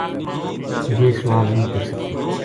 یہ سوال نیہہ پُچھ سکتی